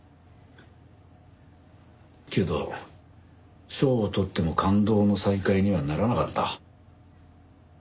けど賞を取っても感動の再会にはならなかった。